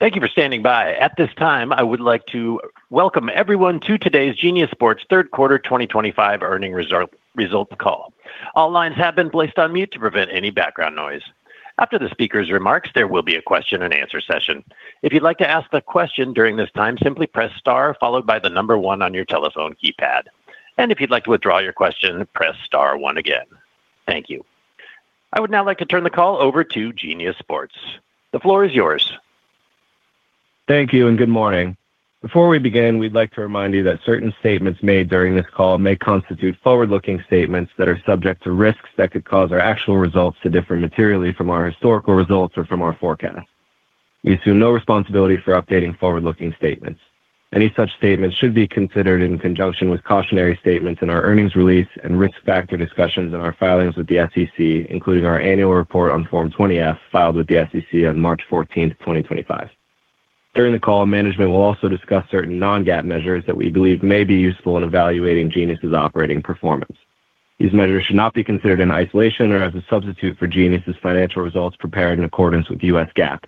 Thank you for standing by. At this time, I would like to welcome everyone to today's Genius Sports Q3 2024 earnings results call. All lines have been placed on mute to prevent any background noise. After the speakers' remarks, there will be a question-and-answer session. If you'd like to ask a question during this time, simply press star followed by the number one on your telephone keypad. If you'd like to withdraw your question, press star one again. Thank you. I would now like to turn the call over to Genius Sports. The floor is yours. Thank you, and good morning. Before we begin, we'd like to remind you that certain statements made during this call may constitute forward-looking statements that are subject to risks that could cause our actual results to differ materially from our historical results or from our forecast. We assume no responsibility for updating forward-looking statements. Any such statements should be considered in conjunction with cautionary statements in our earnings release and risk factor discussions in our filings with the SEC, including our annual report on Form 20-F filed with the SEC on March 14, 2025. During the call, management will also discuss certain non-GAAP measures that we believe may be useful in evaluating Genius's operating performance. These measures should not be considered in isolation or as a substitute for Genius's financial results prepared in accordance with US GAAP.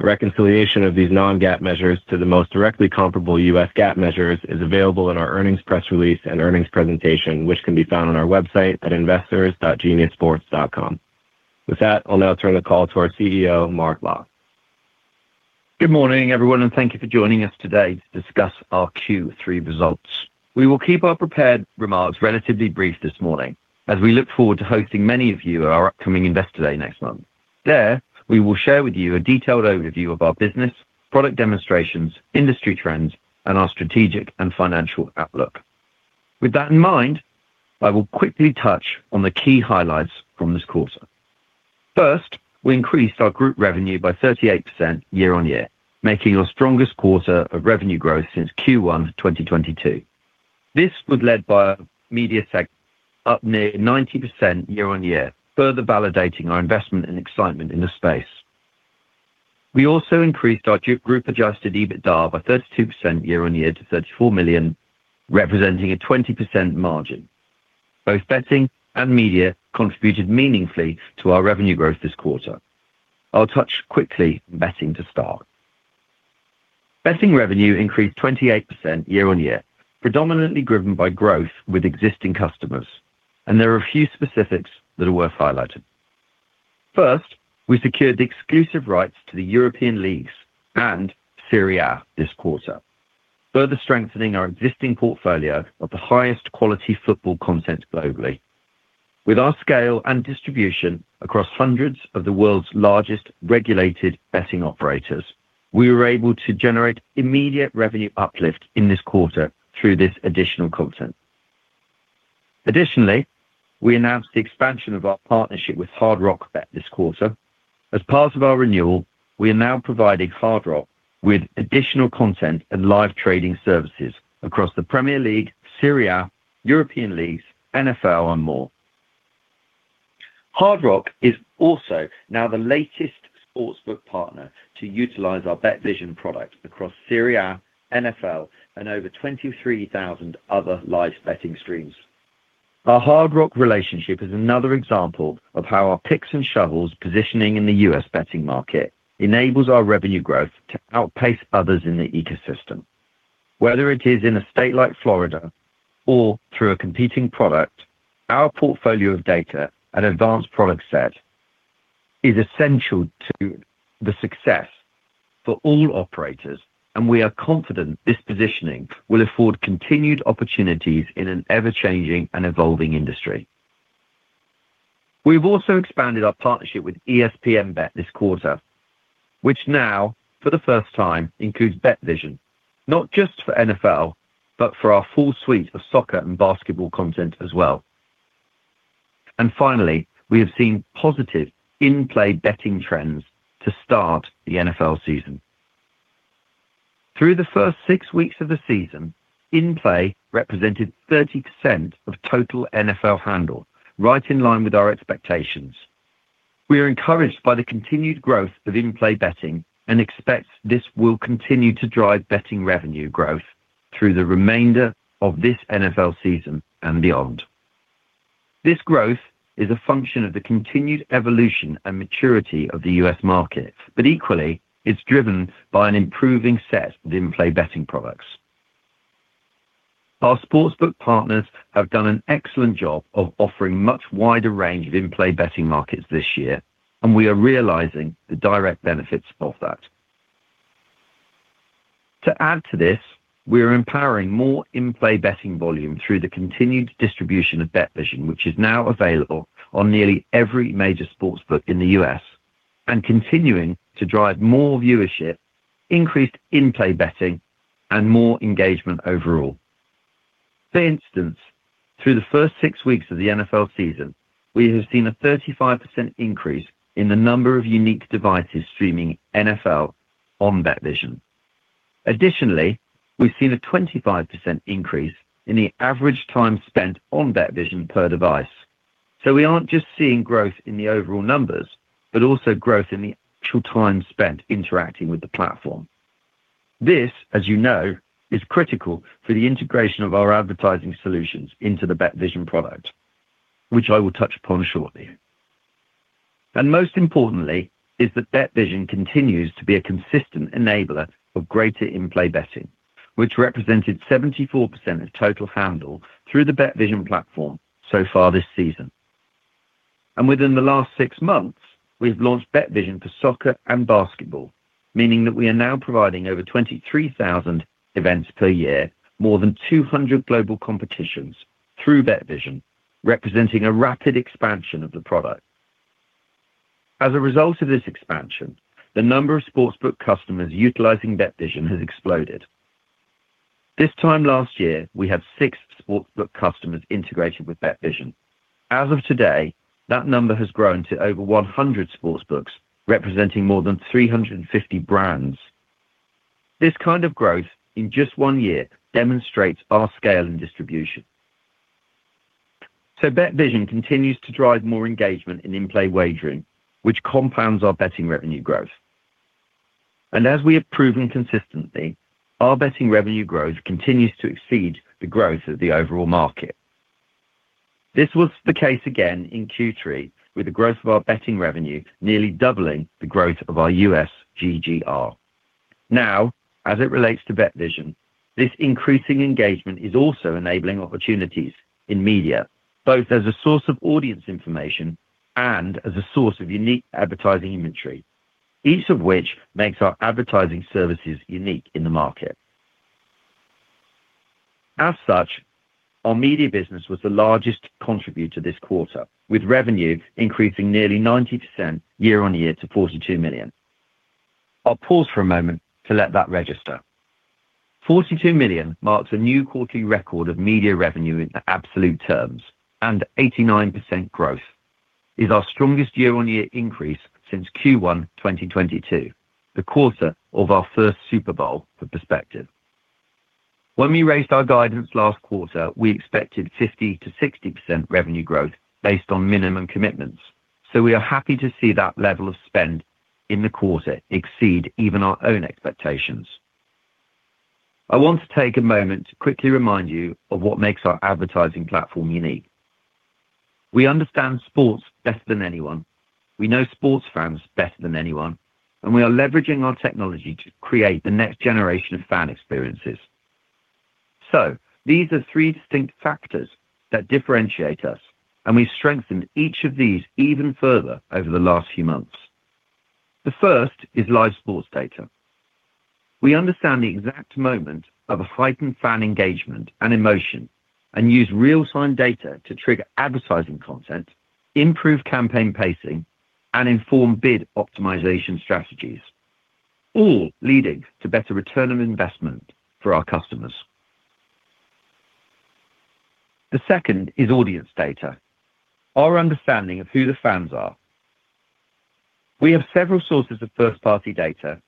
A reconciliation of these non-GAAP measures to the most directly comparable US GAAP measures is available in our earnings press release and earnings presentation, which can be found on our website at investors.geniussports.com. With that, I'll now turn the call to our CEO, Mark Locke. Good morning, everyone, and thank you for joining us today to discuss our Q3 results. We will keep our prepared remarks relatively brief this morning as we look forward to hosting many of you at our upcoming Investor Day next month. There, we will share with you a detailed overview of our business, product demonstrations, industry trends, and our strategic and financial outlook. With that in mind, I will quickly touch on the key highlights from this quarter. First, we increased our group revenue by 38% year-on-year, making our strongest quarter of revenue growth since Q1 2022. This was led by a media sector up near 90% year-on-year, further validating our investment and excitement in the space. We also increased our group-Adjusted EBITDA by 32% year-on-year to $34 million, representing a 20% margin. Both betting and media contributed meaningfully to our revenue growth this quarter. I'll touch quickly on betting to start. Betting revenue increased 28% year-on-year, predominantly driven by growth with existing customers, and there are a few specifics that are worth highlighting. First, we secured the exclusive rights to the European leagues and Serie A this quarter, further strengthening our existing portfolio of the highest quality football content globally. With our scale and distribution across hundreds of the world's largest regulated betting operators, we were able to generate immediate revenue uplift in this quarter through this additional content. Additionally, we announced the expansion of our partnership with Hard Rock Bet this quarter. As part of our renewal, we are now providing Hard Rock with additional content and live trading services across the Premier League, Serie A, European leagues, NFL, and more. Hard Rock is also now the latest sportsbook partner to utilize our BetVision product across Serie A, NFL, and over 23,000 other live betting streams. Our Hard Rock relationship is another example of how our picks and shovels positioning in the U.S. betting market enables our revenue growth to outpace others in the ecosystem. Whether it is in a state like Florida or through a competing product, our portfolio of data and advanced product set is essential to the success for all operators, and we are confident this positioning will afford continued opportunities in an ever-changing and evolving industry. We've also expanded our partnership with ESPN Bet this quarter, which now, for the first time, includes BetVision, not just for NFL, but for our full suite of soccer and basketball content as well. Finally, we have seen positive in-play betting trends to start the NFL season. Through the first six weeks of the season, in-play represented 30% of total NFL handle, right in line with our expectations. We are encouraged by the continued growth of in-play betting and expect this will continue to drive betting revenue growth through the remainder of this NFL season and beyond. This growth is a function of the continued evolution and maturity of the U.S. market, but equally, it's driven by an improving set of in-play betting products. Our sportsbook partners have done an excellent job of offering a much wider range of in-play betting markets this year, and we are realizing the direct benefits of that. To add to this, we are empowering more in-play betting volume through the continued distribution of BetVision, which is now available on nearly every major sportsbook in the U.S., and continuing to drive more viewership, increased in-play betting, and more engagement overall. For instance, through the first six weeks of the NFL season, we have seen a 35% increase in the number of unique devices streaming NFL on BetVision. Additionally, we've seen a 25% increase in the average time spent on BetVision per device. So we aren't just seeing growth in the overall numbers, but also growth in the actual time spent interacting with the platform. This, as you know, is critical for the integration of our advertising solutions into the BetVision product, which I will touch upon shortly. Most importantly, is that BetVision continues to be a consistent enabler of greater in-play betting, which represented 74% of total handle through the BetVision platform so far this season. Within the last six months, we have launched BetVision for soccer and basketball, meaning that we are now providing over 23,000 events per year, more than 200 global competitions through BetVision, representing a rapid expansion of the product. As a result of this expansion, the number of sportsbook customers utilizing BetVision has exploded. This time last year, we had six sportsbook customers integrated with BetVision. As of today, that number has grown to over 100 sportsbooks, representing more than 350 brands. This kind of growth in just one year demonstrates our scale and distribution. So BetVision continues to drive more engagement in in-play wagering, which compounds our betting revenue growth. As we have proven consistently, our betting revenue growth continues to exceed the growth of the overall market. This was the case again in Q3, with the growth of our betting revenue nearly doubling the growth of our U.S. GGR. Now, as it relates to BetVision, this increasing engagement is also enabling opportunities in media, both as a source of audience information and as a source of unique advertising imagery, each of which makes our advertising services unique in the market. As such, our media business was the largest contributor this quarter, with revenue increasing nearly 90% year-on-year to $42 million. I'll pause for a moment to let that register. $42 million marks a new quarterly record of media revenue in absolute terms and 89% growth, is our strongest year-on-year increase since Q1 2022, the quarter of our first Super Bowl, for perspective. When we raised our guidance last quarter, we expected 50%-60% revenue growth based on minimum commitments, so we are happy to see that level of spend in the quarter exceed even our own expectations. I want to take a moment to quickly remind you of what makes our advertising platform unique. We understand sports better than anyone, we know sports fans better than anyone, and we are leveraging our technology to create the next generation of fan experiences. These are three distinct factors that differentiate us, and we've strengthened each of these even further over the last few months. The first is live sports data. We understand the exact moment of heightened fan engagement and emotion and use real-time data to trigger advertising content, improve campaign pacing, and inform bid optimization strategies, all leading to better return on investment for our customers. The second is audience data, our understanding of who the fans are. We have several sources of first-party data,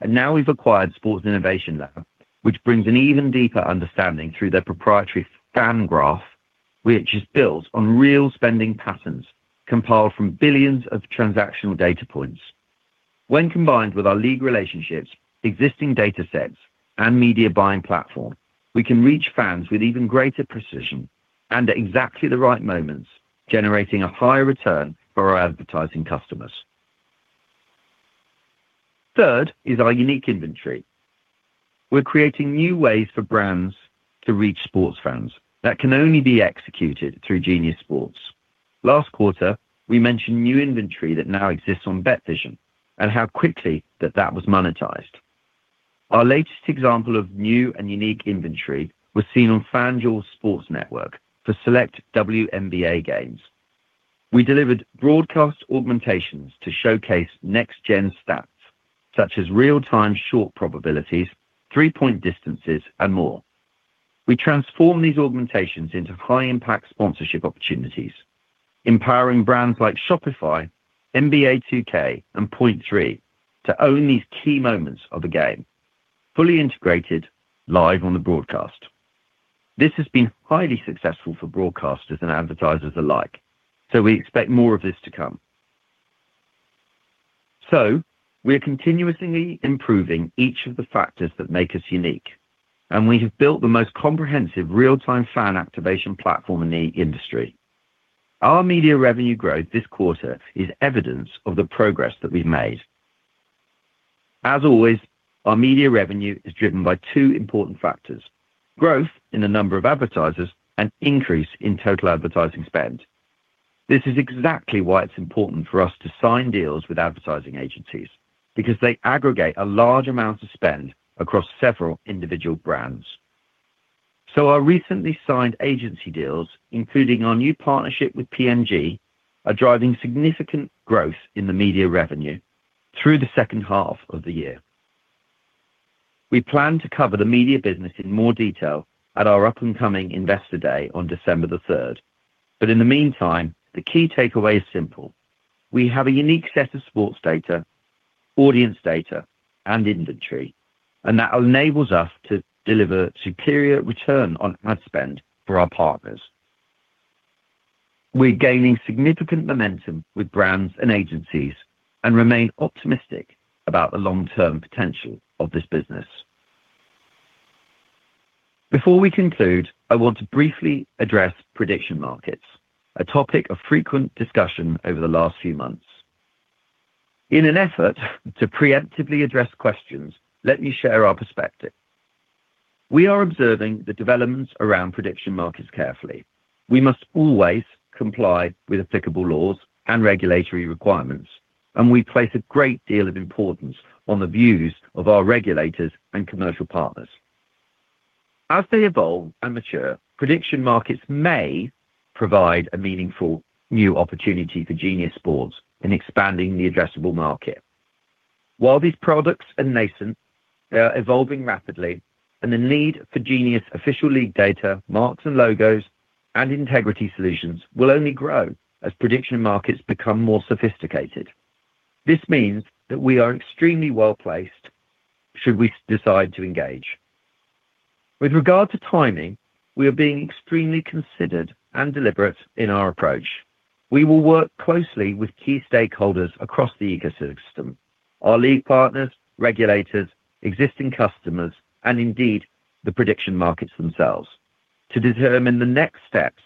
and now we've acquired Sports Innovation Lab, which brings an even deeper understanding through their proprietary fan graph, which is built on real spending patterns compiled from billions of transactional data points. When combined with our league relationships, existing data sets, and media buying platform, we can reach fans with even greater precision and at exactly the right moments, generating a higher return for our advertising customers. Third is our unique inventory. We're creating new ways for brands to reach sports fans that can only be executed through Genius Sports. Last quarter, we mentioned new inventory that now exists on BetVision and how quickly that was monetized. Our latest example of new and unique inventory was seen on FanJolt Sports Network for select WNBA games. We delivered broadcast augmentations to showcase next-gen stats, such as real-time shot probabilities, three-point distances, and more. We transformed these augmentations into high-impact sponsorship opportunities, empowering brands like Shopify, NBA 2K, and Point3 to own these key moments of the game, fully integrated live on the broadcast. This has been highly successful for broadcasters and advertisers alike, so we expect more of this to come. We are continuously improving each of the factors that make us unique, and we have built the most comprehensive real-time fan activation platform in the industry. Our media revenue growth this quarter is evidence of the progress that we've made. As always, our media revenue is driven by two important factors: growth in the number of advertisers and increase in total advertising spend. This is exactly why it's important for us to sign deals with advertising agencies, because they aggregate a large amount of spend across several individual brands. Our recently signed agency deals, including our new partnership with Procter & Gamble, are driving significant growth in the media revenue through the second half of the year. We plan to cover the media business in more detail at our up-and-coming Investor Day on December the 3rd. But in the meantime, the key takeaway is simple. We have a unique set of sports data, audience data, and inventory, and that enables us to deliver superior return on ad spend for our partners. We're gaining significant momentum with brands and agencies and remain optimistic about the long-term potential of this business. Before we conclude, I want to briefly address prediction markets, a topic of frequent discussion over the last few months. In an effort to preemptively address questions, let me share our perspective. We are observing the developments around prediction markets carefully. We must always comply with applicable laws and regulatory requirements, and we place a great deal of importance on the views of our regulators and commercial partners. As they evolve and mature, prediction markets may provide a meaningful new opportunity for Genius Sports in expanding the addressable market. While these products are nascent, they are evolving rapidly, and the need for Genius official league data, marks and logos, and integrity solutions will only grow as prediction markets become more sophisticated. This means that we are extremely well placed should we decide to engage. With regard to timing, we are being extremely considered and deliberate in our approach. We will work closely with key stakeholders across the ecosystem: our league partners, regulators, existing customers, and indeed the prediction markets themselves, to determine the next steps.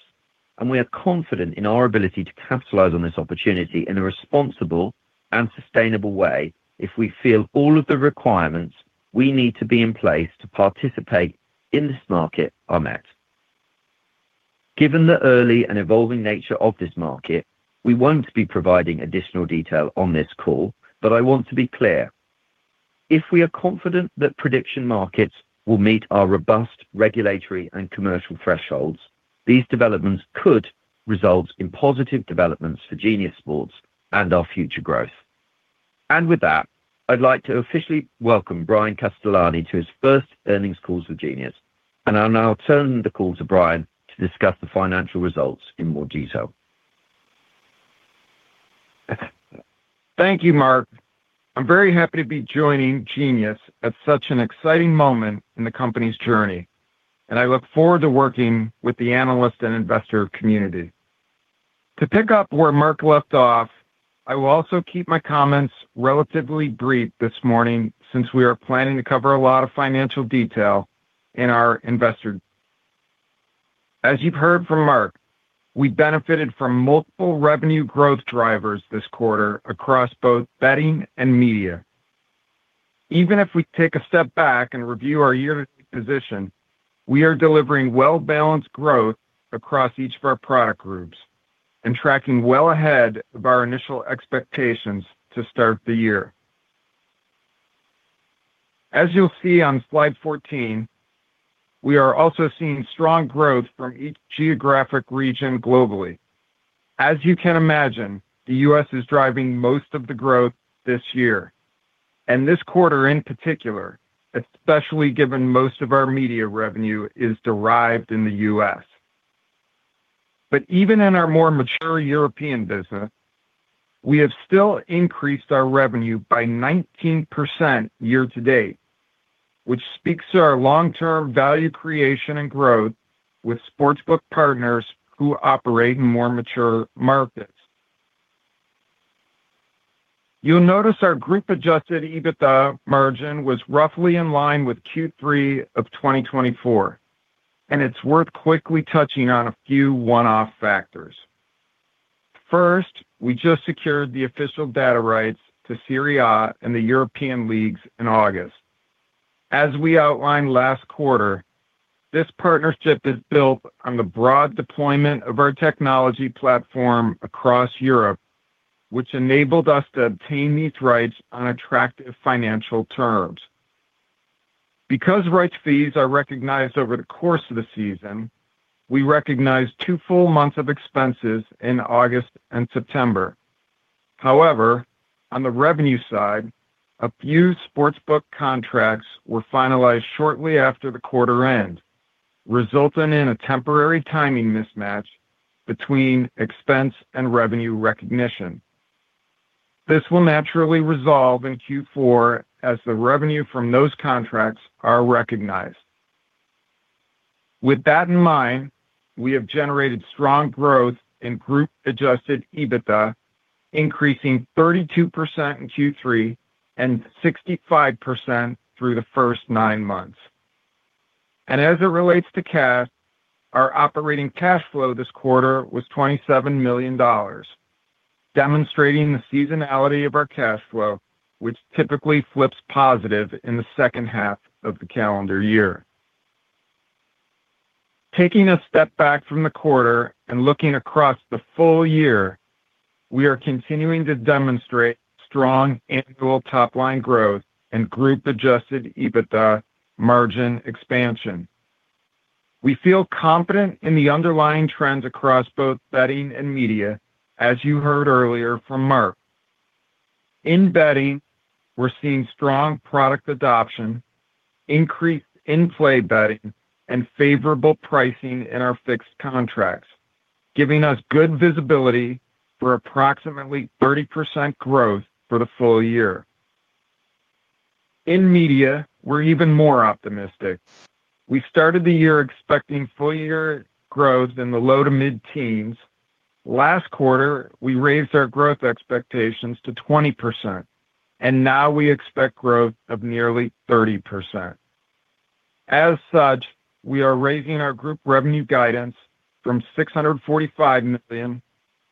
We are confident in our ability to capitalize on this opportunity in a responsible and sustainable way if we feel all of the requirements we need to be in place to participate in this market are met. Given the early and evolving nature of this market, we won't be providing additional detail on this call, but I want to be clear. If we are confident that prediction markets will meet our robust regulatory and commercial thresholds, these developments could result in positive developments for Genius Sports and our future growth. With that, I'd like to officially welcome Bryan Castellani to his first earnings calls with Genius, and I'll now turn the call to Brian to discuss the financial results in more detail. Thank you, Mark. I'm very happy to be joining Genius at such an exciting moment in the company's journey, and I look forward to working with the analyst and investor community. To pick up where Mark left off, I will also keep my comments relatively brief this morning since we are planning to cover a lot of financial detail in our investors. As you've heard from Mark, we benefited from multiple revenue growth drivers this quarter across both betting and media. Even if we take a step back and review our year-to-date position, we are delivering well-balanced growth across each of our product groups and tracking well ahead of our initial expectations to start the year. As you'll see on slide 14. We are also seeing strong growth from each geographic region globally. As you can imagine, the U.S. is driving most of the growth this year, and this quarter in particular. Especially given most of our media revenue is derived in the U.S. Even in our more mature European business. We have still increased our revenue by 19% year-to-date, which speaks to our long-term value creation and growth with sportsbook partners who operate in more mature markets. You'll notice our group-Adjusted EBITDA margin was roughly in line with Q3 of 2024. It's worth quickly touching on a few one-off factors. First, we just secured the official data rights to Serie A and the European leagues in August. As we outlined last quarter, this partnership is built on the broad deployment of our technology platform across Europe, which enabled us to obtain these rights on attractive financial terms. Because rights fees are recognized over the course of the season, we recognize two full months of expenses in August and September. However, on the revenue side, a few sportsbook contracts were finalized shortly after the quarter end, resulting in a temporary timing mismatch between expense and revenue recognition. This will naturally resolve in Q4 as the revenue from those contracts is recognized. With that in mind, we have generated strong growth in group-Adjusted EBITDA, increasing 32% in Q3 and 65% through the first nine months. As it relates to cash, our operating cash flow this quarter was $27 million, demonstrating the seasonality of our cash flow, which typically flips positive in the second half of the calendar year. Taking a step back from the quarter and looking across the full year, we are continuing to demonstrate strong annual top-line growth and group-Adjusted EBITDA margin expansion. We feel confident in the underlying trends across both betting and media, as you heard earlier from Mark. In betting, we're seeing strong product adoption, increased in-play betting, and favorable pricing in our fixed contracts, giving us good visibility for approximately 30% growth for the full year. In media, we're even more optimistic. We started the year expecting full-year growth in the low to mid-teens. Last quarter, we raised our growth expectations to 20%, and now we expect growth of nearly 30%. As such, we are raising our group revenue guidance from $645 million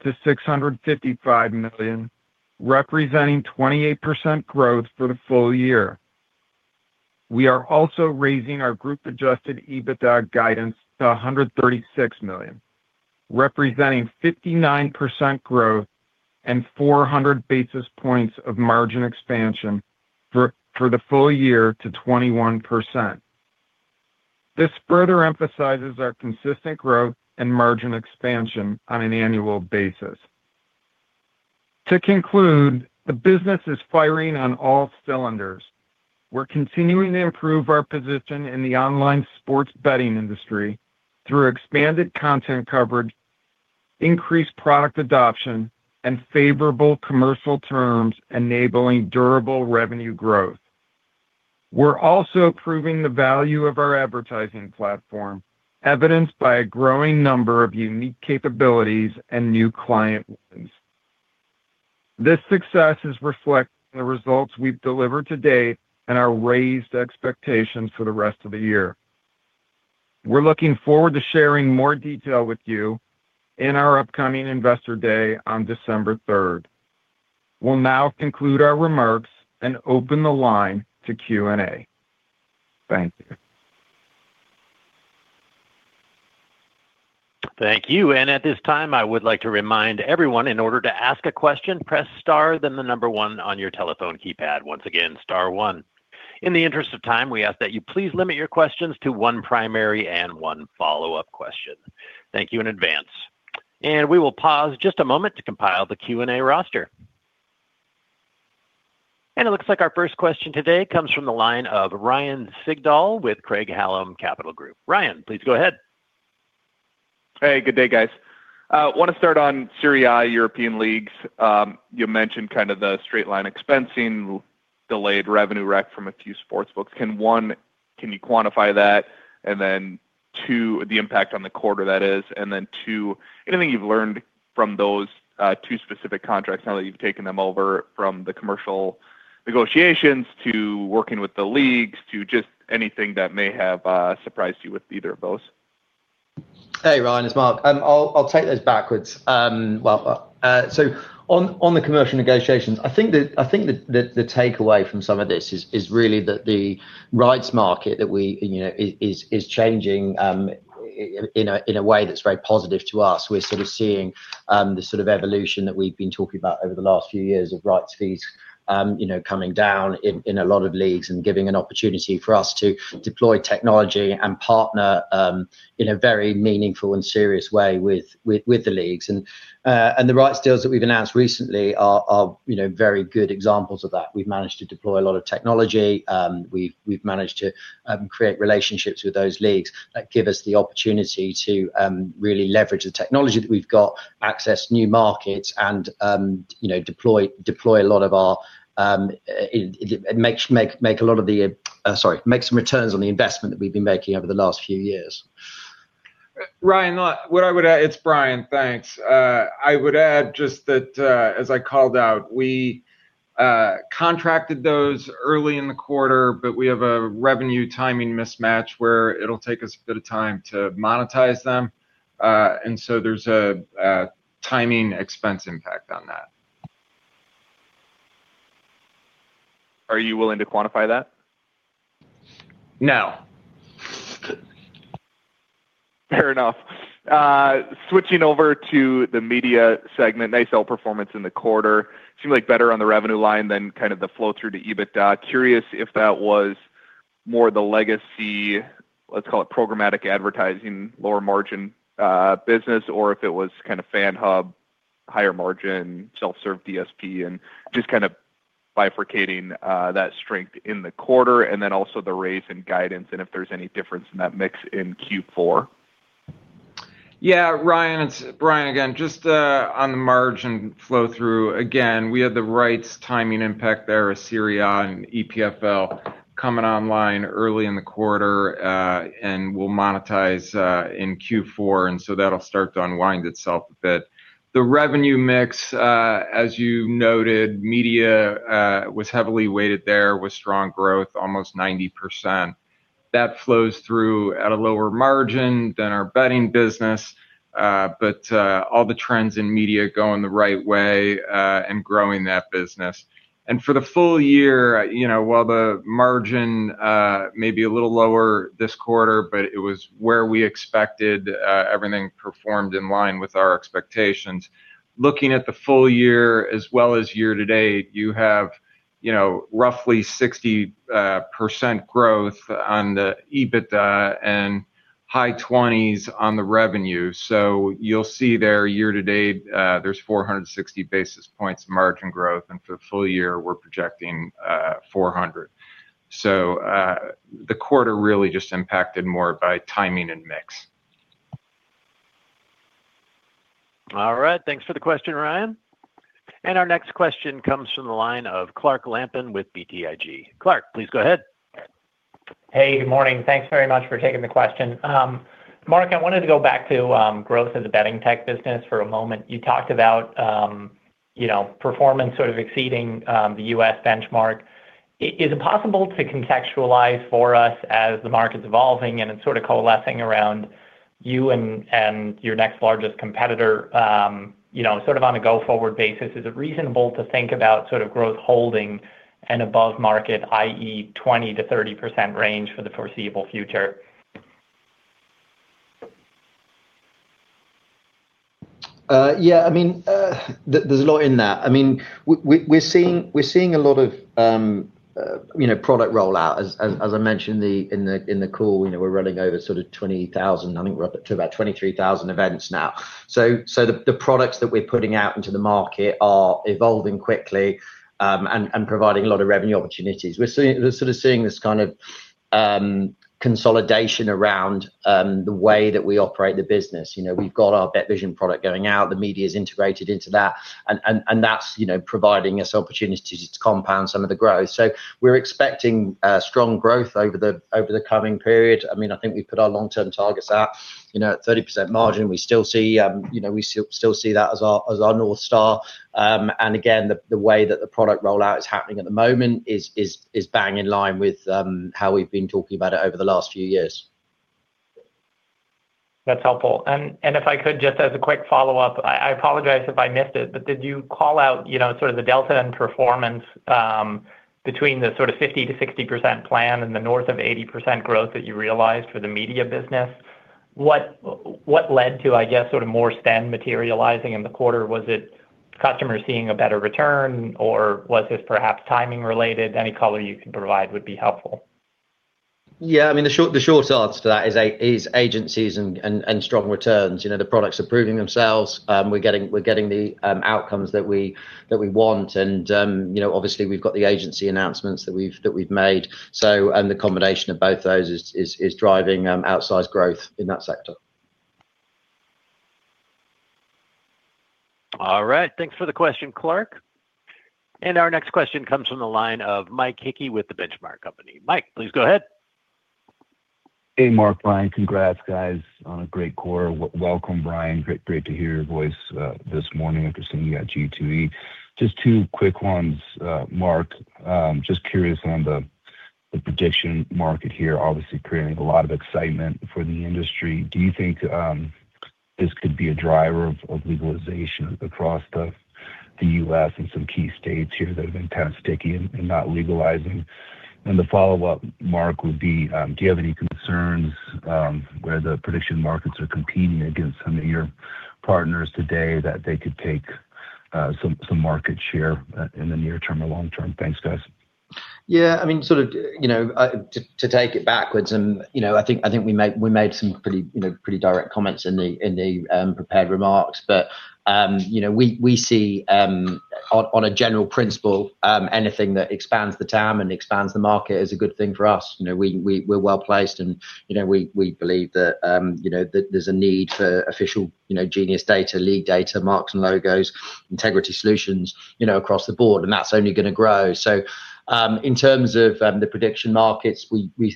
to $655 million, representing 28% growth for the full year. We are also raising our group-Adjusted EBITDA guidance to $136 million, representing 59% growth and 400 basis points of margin expansion for the full year to 21%. This further emphasizes our consistent growth and margin expansion on an annual basis. To conclude, the business is firing on all cylinders. We're continuing to improve our position in the online sports betting industry through expanded content coverage, increased product adoption, and favorable commercial terms enabling durable revenue growth. We're also proving the value of our advertising platform, evidenced by a growing number of unique capabilities and new clients. This success is reflected in the results we've delivered to date and our raised expectations for the rest of the year. We're looking forward to sharing more detail with you in our upcoming Investor Day on December 3rd. We'll now conclude our remarks and open the line to Q&A. Thank you. Thank you. At this time, I would like to remind everyone, in order to ask a question, press Star, then the number one on your telephone keypad. Once again, Star One. In the interest of time, we ask that you please limit your questions to one primary and one follow-up question. Thank you in advance. We will pause just a moment to compile the Q&A roster. It looks like our first question today comes from the line of Ryan Sigdahl with Craig Hallum Capital Group. Ryan, please go ahead. Hey, good day, guys. I want to start on Serie A European leagues. You mentioned kind of the straight-line expensing, delayed revenue rec from a few sportsbooks. Can one, can you quantify that? And then two, the impact on the quarter that is? And then two, anything you've learned from those two specific contracts, now that you've taken them over from the commercial negotiations to working with the leagues to just anything that may have surprised you with either of those? Hey, Ryan, it's Mark. I'll take those backwards. On the commercial negotiations, I think the takeaway from some of this is really that the rights market that we is changing in a way that's very positive to us. We're sort of seeing the sort of evolution that we've been talking about over the last few years of rights fees coming down in a lot of leagues and giving an opportunity for us to deploy technology and partner in a very meaningful and serious way with the leagues. The rights deals that we've announced recently are very good examples of that. We've managed to deploy a lot of technology. We've managed to create relationships with those leagues that give us the opportunity to really leverage the technology that we've got, access new markets, and deploy a lot of our, make a lot of the, sorry, make some returns on the investment that we've been making over the last few years. Ryan, what I would add, it's Brian. Thanks. I would add just that, as I called out, we contracted those early in the quarter, but we have a revenue timing mismatch where it'll take us a bit of time to monetize them. There's a timing expense impact on that. Are you willing to quantify that? No. Fair enough. Switching over to the media segment, nice sell performance in the quarter. Seemed like better on the revenue line than kind of the flow through to EBITDA. Curious if that was more the legacy, let's call it programmatic advertising, lower margin business, or if it was kind of FanHub, higher margin, self-serve DSP, and just kind of bifurcating that strength in the quarter, and then also the raise in guidance, and if there's any difference in that mix in Q4. Yeah, Ryan, it's Brian again, just on the margin flow through. Again, we had the rights timing impact there of Serie A and EPFL coming online early in the quarter, and we'll monetize in Q4, and that'll start to unwind itself a bit. The revenue mix, as you noted, media was heavily weighted there with strong growth, almost 90%. That flows through at a lower margin than our betting business. All the trends in media going the right way and growing that business. For the full year, while the margin may be a little lower this quarter, it was where we expected, everything performed in line with our expectations. Looking at the full year as well as year-to-date, you have roughly 60% growth on the EBITDA and high 20s on the revenue. So you'll see there year-to-date, there's 460 basis points margin growth, and for the full year, we're projecting 400. So the quarter really just impacted more by timing and mix. All right, thanks for the question, Ryan. Our next question comes from the line of Clark Lampen with BTIG. Clark, please go ahead. Hey, good morning. Thanks very much for taking the question. Mark, I wanted to go back to growth of the betting tech business for a moment. You talked about performance sort of exceeding the U.S. benchmark. Is it possible to contextualize for us as the market's evolving and it's sort of coalescing around you and your next largest competitor. Sort of on a go-forward basis, is it reasonable to think about sort of growth holding and above market, i.e., 20%-30% range for the foreseeable future? Yeah, I mean, there's a lot in that. I mean, we're seeing a lot of product rollout, as I mentioned in the call. We're running over sort of 20,000, I think we're up to about 23,000 events now. So the products that we're putting out into the market are evolving quickly and providing a lot of revenue opportunities. We're sort of seeing this kind of consolidation around the way that we operate the business. We've got our BetVision product going out, the media is integrated into that, and that's providing us opportunities to compound some of the growth. So we're expecting strong growth over the coming period. I mean, I think we've put our long-term targets out at 30% margin. We still see we still see that as our North Star. Again, the way that the product rollout is happening at the moment is bang in line with how we've been talking about it over the last few years. That's helpful. If I could, just as a quick follow-up, I apologize if I missed it, but did you call out sort of the delta in performance between the sort of 50%-60% plan and the north of 80% growth that you realized for the media business? What led to, I guess, sort of more spend materializing in the quarter? Was it customers seeing a better return, or was this perhaps timing related? Any color you can provide would be helpful. Yeah, I mean, the short answer to that is agencies and strong returns. The products are proving themselves. We're getting the outcomes that we want. Obviously, we've got the agency announcements that we've made. The combination of both those is driving outsized growth in that sector. All right, thanks for the question, Clark. Our next question comes from the line of Mike Hickey with The Benchmark Company. Mike, please go ahead. Hey, Mark, Brian, congrats, guys. Great quarter. Welcome, Brian. Great to hear your voice this morning. Good to see you at G2E. Just two quick ones, Mark. Just curious on the prediction market here, obviously creating a lot of excitement for the industry. Do you think this could be a driver of legalization across the U.S. and some key states here that have been kind of sticky and not legalizing? The follow-up, Mark, would be, do you have any concerns where the prediction markets are competing against some of your partners today that they could take some market share in the near term or long term? Thanks, guys. Yeah, I mean, sort of to take it backwards, and I think we made some pretty direct comments in the prepared remarks, but we see on a general principle, anything that expands the TAM and expands the market is a good thing for us. We're well placed, and we believe that there's a need for official Genius data, live data, marks and logos, integrity solutions across the board, and that's only going to grow. So in terms of the prediction markets,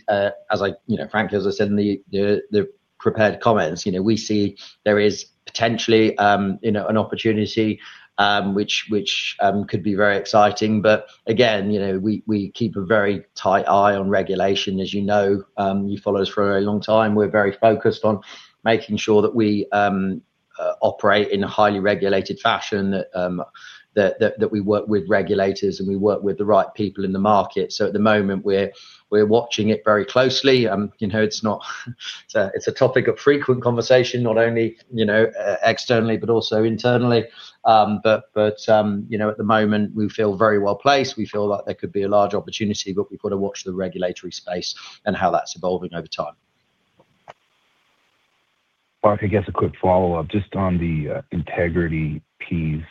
as I frankly as I said in the prepared comments, we see there is potentially an opportunity which could be very exciting. Again, we keep a very tight eye on regulation. As you know, you follow us for a long time. We're very focused on making sure that we operate in a highly regulated fashion. That we work with regulators and we work with the right people in the market. So at the moment, we're watching it very closely. It's a topic of frequent conversation, not only externally but also internally. At the moment, we feel very well placed. We feel like there could be a large opportunity, but we've got to watch the regulatory space and how that's evolving over time. Mark, I guess a quick follow-up just on the integrity piece.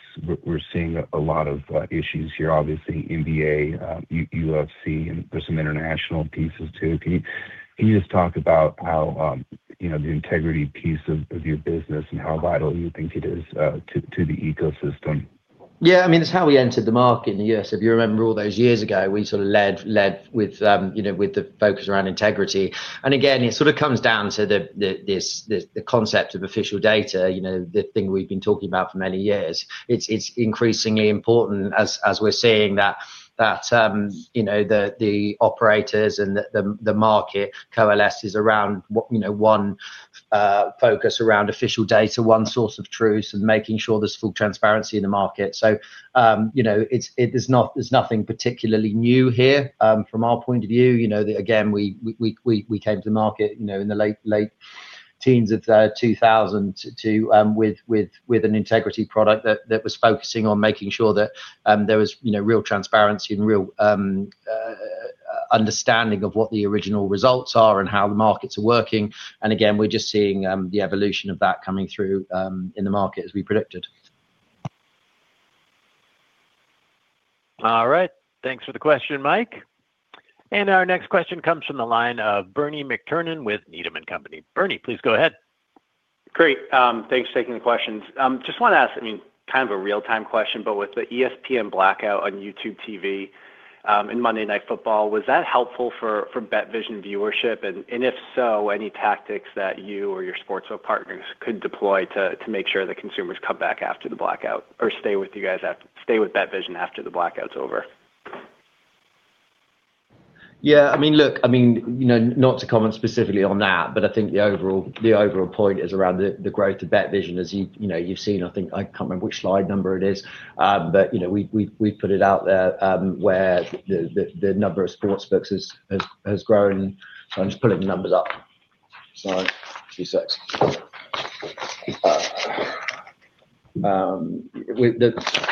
We're seeing a lot of issues here, obviously, NBA, UFC, and there's some international pieces too. Can you just talk about how the integrity piece of your business and how vital you think it is to the ecosystem? Yeah, I mean, it's how we entered the market in the U.S. If you remember all those years ago, we sort of led with the focus around integrity. Again, it sort of comes down to the concept of official data, the thing we've been talking about for many years. It's increasingly important as we're seeing that the operators and the market coalesces around one. Focus around official data, one source of truth, and making sure there's full transparency in the market. There's nothing particularly new here from our point of view. Again, we came to the market in the late teens of 2000 with an integrity product that was focusing on making sure that there was real transparency and real understanding of what the original results are and how the markets are working. Again, we're just seeing the evolution of that coming through in the market as we predicted. All right, thanks for the question, Mike. Our next question comes from the line of Bernie McTernan with Needham & Company. Bernie, please go ahead. Great. Thanks for taking the questions. Just want to ask, I mean, kind of a real-time question, but with the ESPN blackout on YouTube TV and Monday Night Football, was that helpful for BetVision viewership? If so, any tactics that you or your sports partners could deploy to make sure that consumers come back after the blackout or stay with you guys, stay with BetVision after the blackout's over? Yeah, I mean, look, I mean not to comment specifically on that, but I think the overall point is around the growth of BetVision. As you've seen, I think, I can't remember which slide number it is, but we've put it out there where the number of sportsbooks has grown. I'm just pulling the numbers up. Sorry, slide six.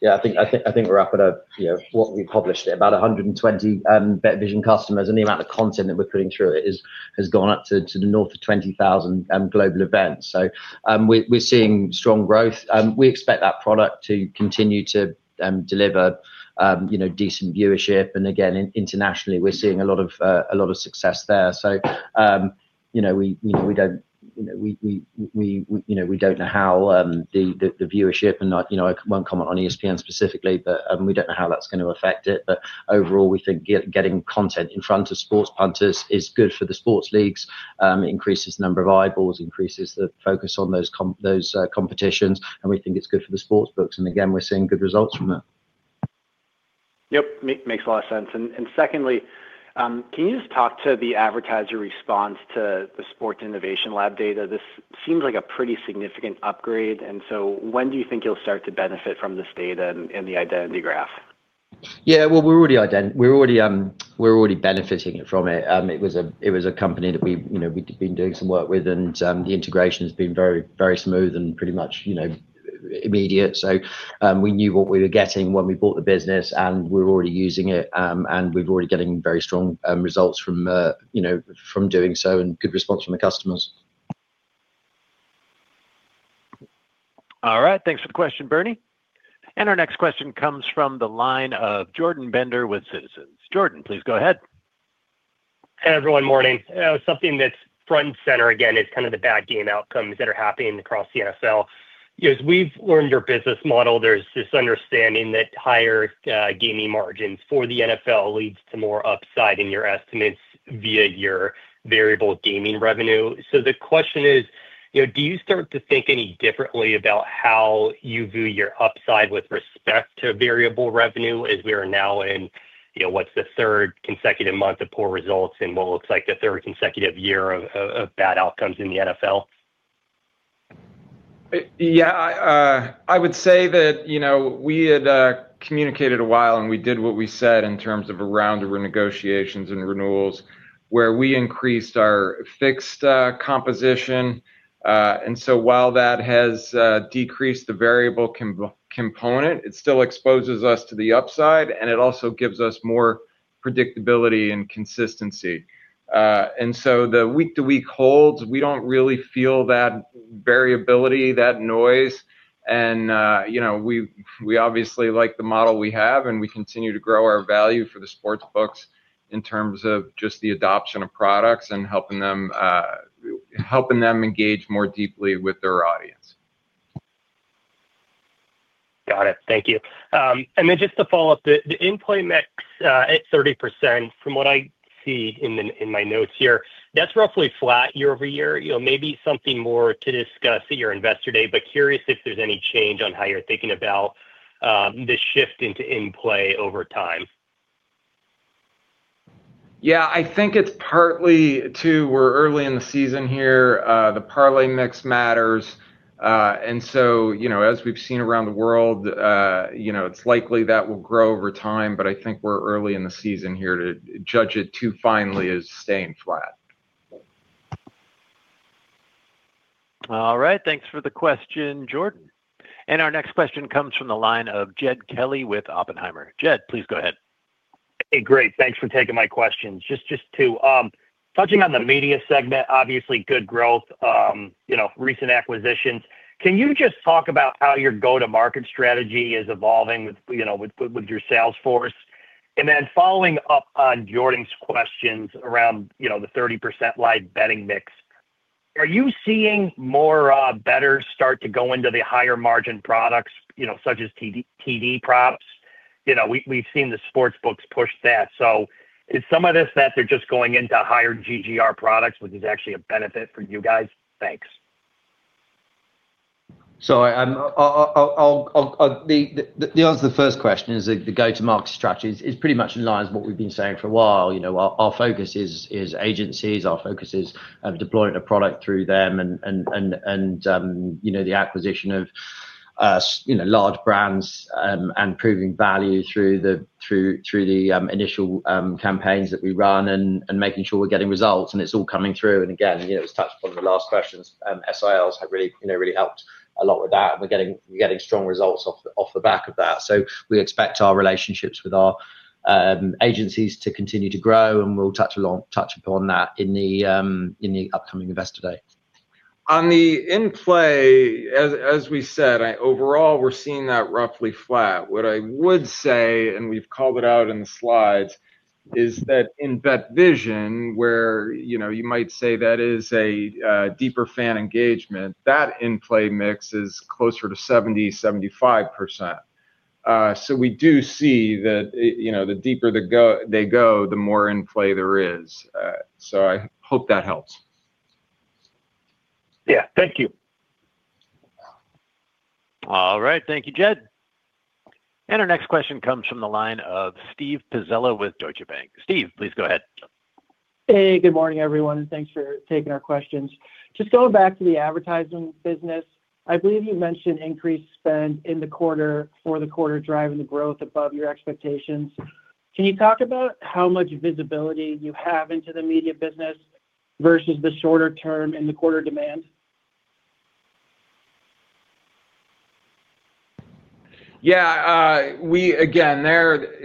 Yeah, I think we're up at, what we published, about 120 BetVision customers, and the amount of content that we're putting through it has gone up to the north of 20,000 global events. We're seeing strong growth. We expect that product to continue to deliver decent viewership. Again, internationally, we're seeing a lot of success there. We don't know how the viewership, and I won't comment on ESPN specifically, but we don't know how that's going to affect it. But overall, we think getting content in front of sports punters is good for the sports leagues. It increases the number of eyeballs, increases the focus on those competitions, and we think it's good for the sportsbooks. Again, we're seeing good results from that. Yep, makes a lot of sense. Secondly, can you just talk to the advertiser response to the Sports Innovation Lab data? This seems like a pretty significant upgrade. When do you think you'll start to benefit from this data and the identity graph? Yeah, well, we're already benefiting from it. It was a company that we've been doing some work with, and the integration has been very smooth and pretty much immediate. We knew what we were getting when we bought the business, and we're already using it, and we've already been getting very strong results from doing so and good response from the customers. All right, thanks for the question, Bernie. Our next question comes from the line of Jordan Bender with Citizens JMP. Jordan, please go ahead. Hey, everyone, morning. Something that's front and center again is kind of the bad game outcomes that are happening across the NFL. As we've learned your business model, there's this understanding that higher gaming margins for the NFL leads to more upside in your estimates via your variable gaming revenue. So the question is. Do you start to think any differently about how you view your upside with respect to variable revenue as we are now in what's the third consecutive month of poor results and what looks like the third consecutive year of bad outcomes in the NFL? Yeah, I would say that. We had communicated a while, and we did what we said in terms of a round of renegotiations and renewals where we increased our fixed composition. So while that has decreased the variable component, it still exposes us to the upside, and it also gives us more predictability and consistency. So the week-to-week holds, we don't really feel that variability, that noise. We obviously like the model we have, and we continue to grow our value for the sportsbooks in terms of just the adoption of products and helping them. Engage more deeply with their audience. Got it. Thank you. Then just to follow up, the in-play mix at 30%, from what I see in my notes here, that's roughly flat year over year. Maybe something more to discuss at your Investor Day, but curious if there's any change on how you're thinking about. This shift into in-play over time. Yeah, I think it's partly too we're early in the season here. The parlay mix matters. So as we've seen around the world. It's likely that will grow over time, but I think we're early in the season here to judge it too finely as staying flat. All right, thanks for the question, Jordan. Our next question comes from the line of Jed Kelly with Oppenheimer & Co. Jed, please go ahead. Hey, great. Thanks for taking my questions. Just two. Touching on the media segment, obviously good growth. Recent acquisitions. Can you just talk about how your go-to-market strategy is evolving. With your Salesforce? Then following up on Jordan's questions around the 30% live betting mix, are you seeing more better start to go into the higher margin products such as TD products? We've seen the sportsbooks push that. So is some of this that they're just going into higher GGR products, which is actually a benefit for you guys? Thanks. The answer to the first question is the go-to-market strategy is pretty much in line with what we've been saying for a while. Our focus is agencies. Our focus is deploying a product through them and. The acquisition of large brands and proving value through. The initial campaigns that we run and making sure we're getting results. It's all coming through. Again, as touched upon in the last questions, Sports Innovation Lab have really helped a lot with that. We're getting strong results off the back of that. So we expect our relationships with our agencies to continue to grow, and we'll touch upon that in the upcoming Investor Day. On the in-play, as we said, overall, we're seeing that roughly flat. What I would say, and we've called it out in the slides, is that in BetVision, where you might say that is a deeper fan engagement, that in-play mix is closer to 70%-75%. So we do see that the deeper they go, the more in-play there is. So I hope that helps. Yeah, thank you. All right, thank you, Jed. Our next question comes from the line of Steve Pizzella with Deutsche Bank. Steve, please go ahead. Hey, good morning, everyone. Thanks for taking our questions. Just going back to the advertising business, I believe you mentioned increased spend in the quarter or the quarter driving the growth above your expectations. Can you talk about how much visibility you have into the media business versus the shorter term in the quarter demand? Yeah.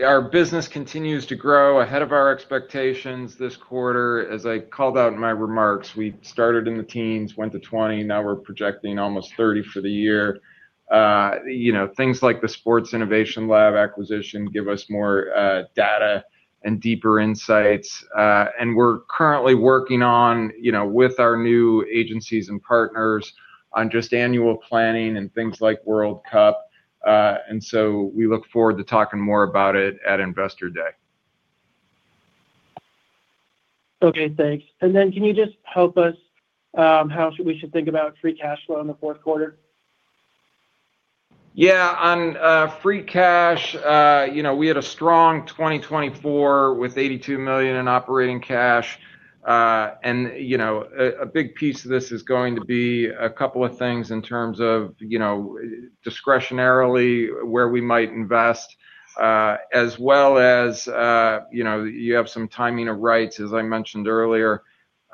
Our business continues to grow ahead of our expectations this quarter. As I called out in my remarks, we started in the teens, went to 20, now we're projecting almost 30 for the year. Things like the Sports Innovation Lab acquisition give us more data and deeper insights. We're currently working with our new agencies and partners on just annual planning and things like World Cup. So we look forward to talking more about it at Investor Day. Okay, thanks. Then can you just help us how we should think about free cash flow in the fourth quarter? Yeah, on free cash, we had a strong 2024 with $82 million in operating cash. A big piece of this is going to be a couple of things in terms of discretionarily where we might invest as well as you have some timing of rights, as I mentioned earlier.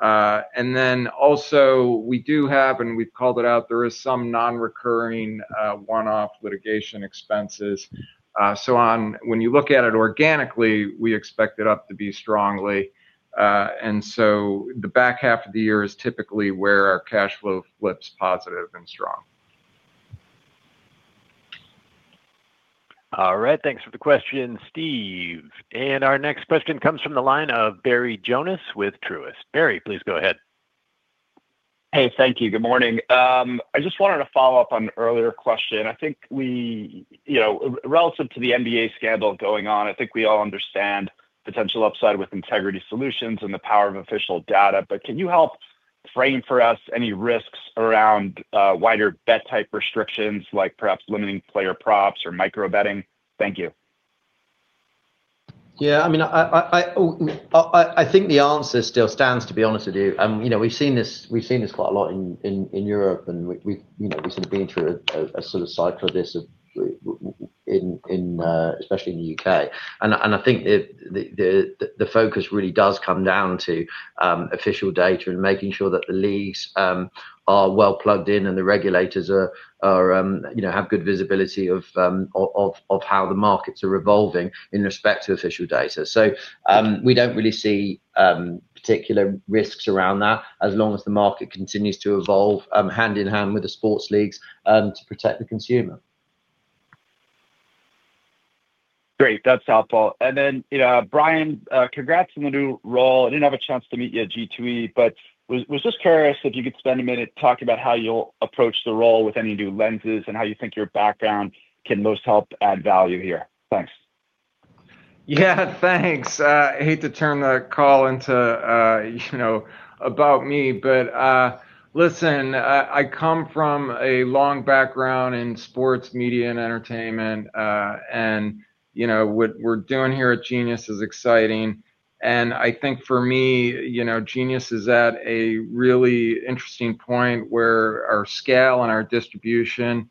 Then also we do have, and we've called it out, there is some non-recurring one-off litigation expenses. So when you look at it organically, we expect it up to be strongly. So the back half of the year is typically where our cash flow flips positive and strong. All right, thanks for the question, Steve. Our next question comes from the line of Barry Jonas with Truist Securities. Barry, please go ahead. Hey, thank you. Good morning. I just wanted to follow up on an earlier question. I think relative to the NBA scandal going on, I think we all understand potential upside with integrity solutions and the power of official data. But can you help frame for us any risks around wider bet type restrictions, like perhaps limiting player props or micro-betting? Thank you. Yeah, I mean I think the answer still stands, to be honest with you. We've seen this quite a lot in Europe, and we've sort of been through a sort of cycle of this. Especially in the U.K. I think the focus really does come down to official data and making sure that the leagues are well plugged in and the regulators have good visibility of how the markets are evolving in respect to official data. So we don't really see particular risks around that as long as the market continues to evolve hand in hand with the sports leagues to protect the consumer. Great, that's helpful. Brian, congrats on the new role. I didn't have a chance to meet you at G2E, but was just curious if you could spend a minute talking about how you'll approach the role with any new lenses and how you think your background can most help add value here. Thanks. Yeah, thanks. I hate to turn the call into about me, but listen, I come from a long background in sports, media, and entertainment. What we're doing here at Genius is exciting. I think for me, Genius is at a really interesting point where our scale and our distribution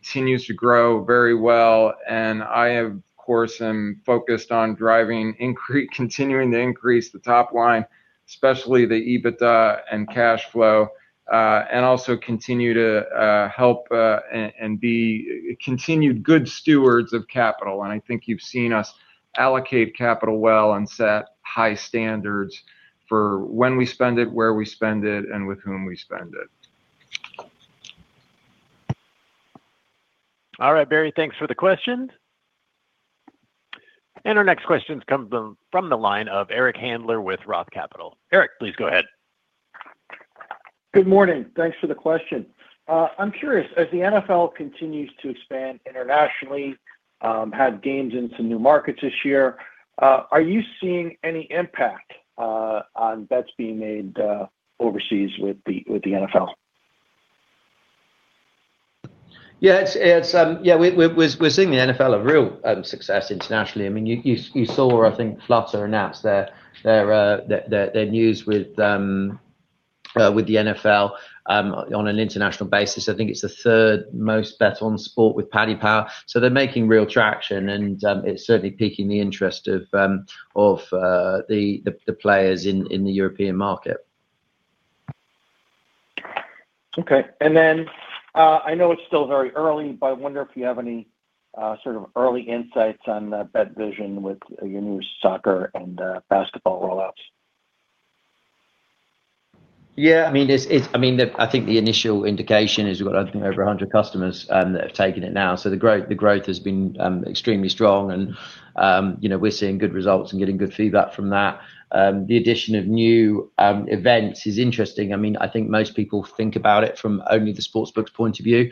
continues to grow very well. I, of course, am focused on driving continuing to increase the top line, especially the EBITDA and cash flow, and also continue to help and be continued good stewards of capital. I think you've seen us allocate capital well and set high standards for when we spend it, where we spend it, and with whom we spend it. All right, Barry, thanks for the question. Our next question comes from the line of Eric Handler with Roth MKM. Eric, please go ahead. Good morning. Thanks for the question. I'm curious, as the NFL continues to expand internationally, had games in some new markets this year, are you seeing any impact on bets being made overseas with the NFL? Yeah. Yeah, we're seeing the NFL a real success internationally. I mean, you saw, I think, FanDuel announce their news with the NFL on an international basis. I think it's the third most bet on sport with Paddy Power. So they're making real traction, and it's certainly piquing the interest of the players in the European market. Okay. I know it's still very early, but I wonder if you have any sort of early insights on BetVision with your new soccer and basketball rollouts? Yeah, I mean, I think the initial indication is we've got over 100 customers that have taken it now. So the growth has been extremely strong, and we're seeing good results and getting good feedback from that. The addition of new events is interesting. I mean, I think most people think about it from only the sportsbook's point of view.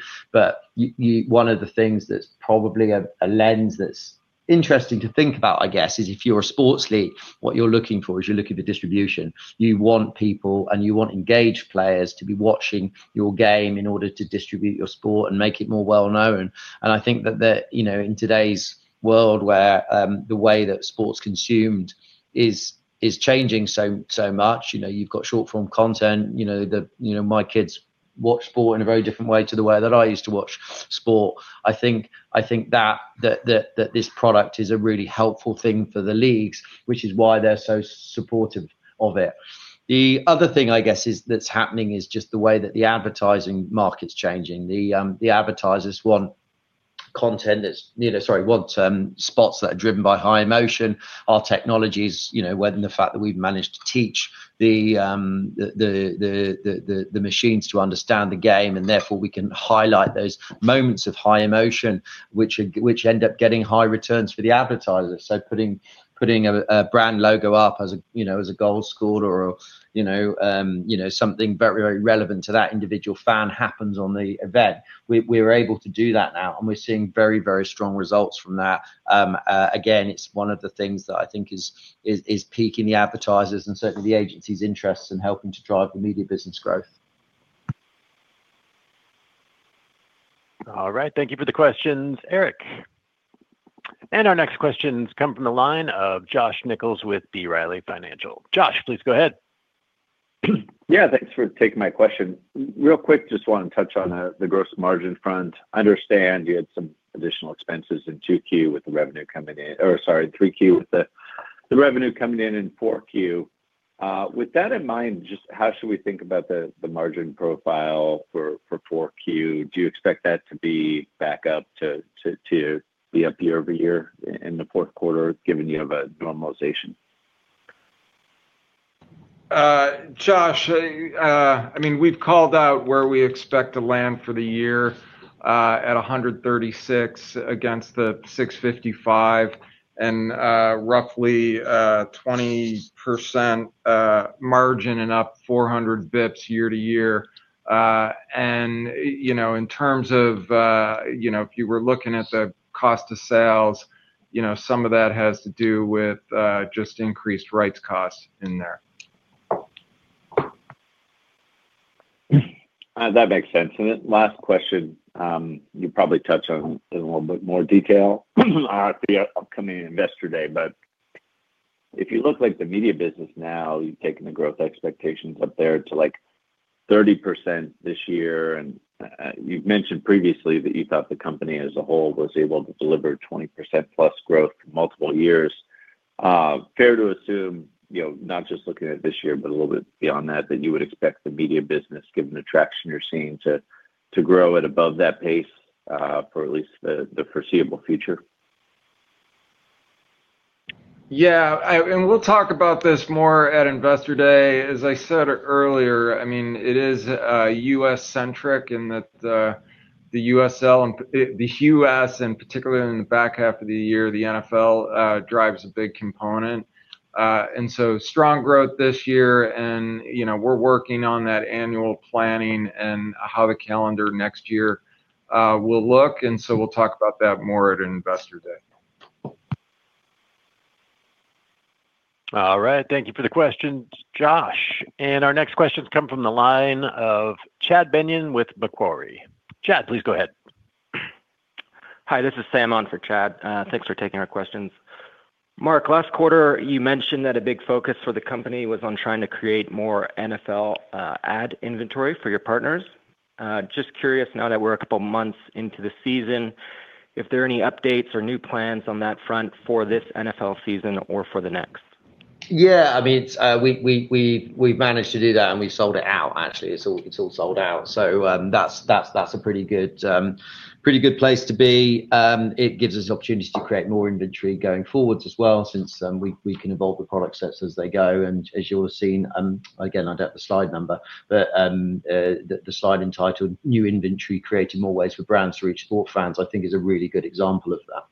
One of the things that's probably a lens that's interesting to think about, I guess, is if you're a sports league, what you're looking for is you're looking at distribution. You want people, and you want engaged players to be watching your game in order to distribute your sport and make it more well-known. I think that in today's world where the way that sports consumed is changing so much, you've got short-form content. My kids watch sport in a very different way to the way that I used to watch sport. I think that this product is a really helpful thing for the leagues, which is why they're so supportive of it. The other thing, I guess, that's happening is just the way that the advertising market's changing. The advertisers want content that's, sorry, want spots that are driven by high emotion. Our technology is, you know, whether the fact that we've managed to teach the machines to understand the game, and therefore we can highlight those moments of high emotion, which end up getting high returns for the advertisers. So putting a brand logo up as a goal scorer or something very, very relevant to that individual fan happens on the event, we're able to do that now, and we're seeing very, very strong results from that. Again, it's one of the things that I think is peaking the advertisers and certainly the agency's interests and helping to drive the media business growth. All right, thank you for the questions, Eric. Our next questions come from the line of Josh Nichols with B. Riley Financial. Josh, please go ahead. Yeah, thanks for taking my question. Real quick, just want to touch on the gross margin front. I understand you had some additional expenses in 2Q with the revenue coming in, or sorry, 3Q with the revenue coming in in 4Q. With that in mind, just how should we think about the margin profile for 4Q? Do you expect that to be back up to be up year over year in the fourth quarter, given you have a normalization? Josh, I mean, we've called out where we expect to land for the year at 136 against the 655 and roughly 20% margin and up 400 basis points year to year. In terms of if you were looking at the cost of sales, some of that has to do with just increased rights costs in there. That makes sense. Last question, you probably touch on in a little bit more detail the upcoming Investor Day, but if you look like the media business now, you've taken the growth expectations up there to 30% this year. You've mentioned previously that you thought the company as a whole was able to deliver 20% plus growth for multiple years. Fair to assume, not just looking at this year, but a little bit beyond that, that you would expect the media business, given the traction you're seeing, to grow at above that pace for at least the foreseeable future? Yeah. We'll talk about this more at Investor Day. As I said earlier, I mean, it is U.S.-centric in that. The U.S. and particularly in the back half of the year, the NFL drives a big component. So strong growth this year. We're working on that annual planning and how the calendar next year will look. So we'll talk about that more at Investor Day. All right. Thank you for the questions, Josh. Our next questions come from the line of Chad Beynon with Macquarie. Chad, please go ahead. Hi, this is Sam on for Chad. Thanks for taking our questions. Mark, last quarter, you mentioned that a big focus for the company was on trying to create more NFL ad inventory for your partners. Just curious now that we're a couple of months into the season, if there are any updates or new plans on that front for this NFL season or for the next? Yeah, I mean we've managed to do that, and we've sold it out, actually. It's all sold out. So that's a pretty good place to be. It gives us the opportunity to create more inventory going forward as well since we can evolve the product steps as they go. As you will have seen, again, I don't have the slide number, but the slide entitled New Inventory Created More Ways for Brands to Reach Sport Fans, I think, is a really good example of that.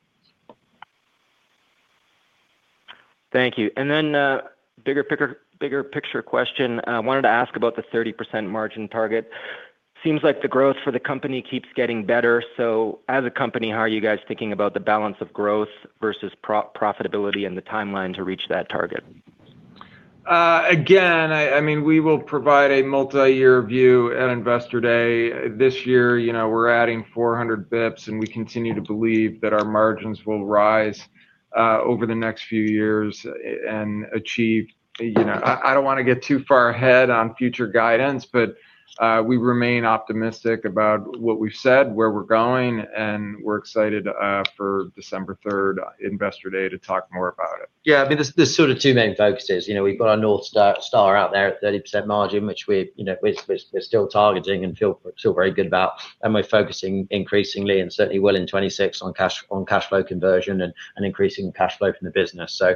Thank you. Then bigger picture question. I wanted to ask about the 30% margin target. Seems like the growth for the company keeps getting better. So as a company, how are you guys thinking about the balance of growth versus profitability and the timeline to reach that target? Again, I mean, we will provide a multi-year view at Investor Day. This year, we're adding 400 basis points, and we continue to believe that our margins will rise over the next few years and achieve. I don't want to get too far ahead on future guidance, but we remain optimistic about what we've said, where we're going, and we're excited for December 3rd, Investor day, to talk more about it. Yeah, I mean, there's sort of two main focuses. We've got our North Star out there, 30% margin, which we're still targeting and feel very good about. We're focusing increasingly and certainly well in 26 on cash flow conversion and increasing cash flow from the business. So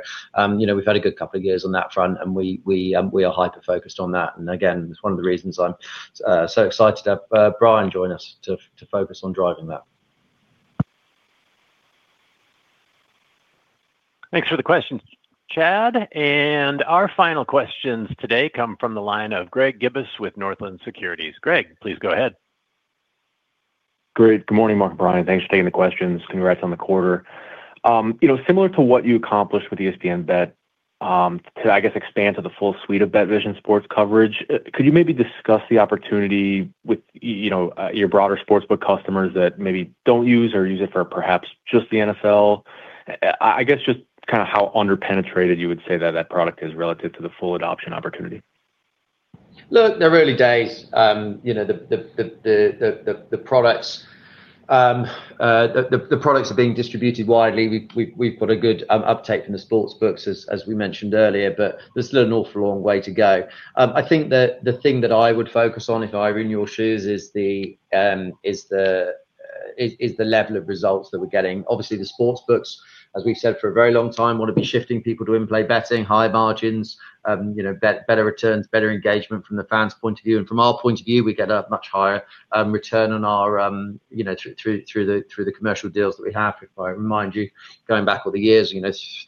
we've had a good couple of years on that front, and we are hyper-focused on that. Again, it's one of the reasons I'm so excited to have Brian join us to focus on driving that. Thanks for the questions, Chad. Our final questions today come from the line of Greg Gibas with Northland Securities. Greg, please go ahead. Great. Good morning, Mark and Brian. Thanks for taking the questions. Congrats on the quarter. Similar to what you accomplished with ESPN Bet to I guess expand to the full suite of BetVision Sports coverage, could you maybe discuss the opportunity with. Your broader sportsbook customers that maybe don't use or use it for perhaps just the NFL? I guess just kind of how underpenetrated you would say that that product is relative to the full adoption opportunity. Look, they're early days. The products are being distributed widely. We've got a good uptake from the sportsbooks, as we mentioned earlier, but there's still an awful long way to go. I think the thing that I would focus on, if I were in your shoes, is the level of results that we're getting. Obviously, the sportsbooks, as we've said for a very long time, want to be shifting people to in-play betting, high margins. Better returns, better engagement from the fans' point of view. From our point of view, we get a much higher return on our through the commercial deals that we have, if I remind you, going back all the years,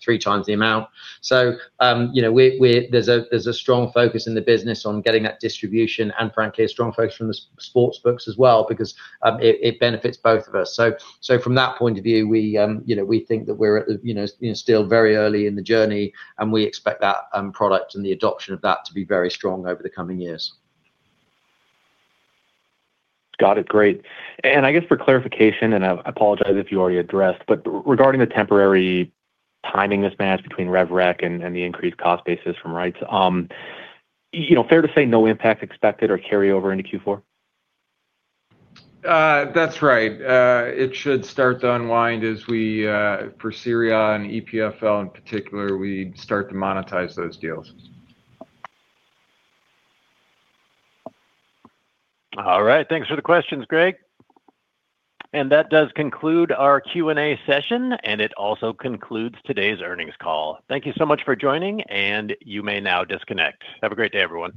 three times the amount. So there's a strong focus in the business on getting that distribution and, frankly, a strong focus from the sportsbooks as well because it benefits both of us. So from that point of view, we think that we're still very early in the journey, and we expect that product and the adoption of that to be very strong over the coming years. Got it. Great. I guess for clarification, and I apologize if you already addressed, but regarding the temporary timing mismatch between RevRec and the increased cost basis from rights. Fair to say no impact expected or carryover into Q4? That's right. It should start to unwind as we, for Serie A and EPFL in particular, we start to monetize those deals. All right. Thanks for the questions, Greg. That does conclude our Q&A session, and it also concludes today's earnings call. Thank you so much for joining, and you may now disconnect. Have a great day, everyone.